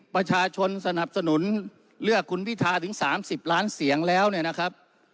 ประชาชนสนับสนุนเลือกคุณพิทาถึง๓๐ล้านเสียงแล้วเนี่ยนะครับ